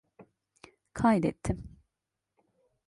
Kaydettim.